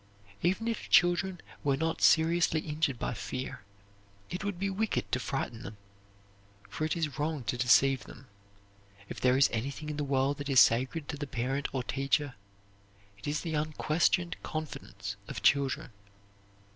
Even if children were not seriously injured by fear, it would be wicked to frighten them, for it is wrong to deceive them. If there is anything in the world that is sacred to the parent or teacher, it is the unquestioned confidence of children.